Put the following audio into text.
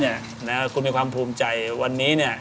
คุณมีความภูมิใจวันนี้เนี่ย